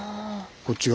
こっち側。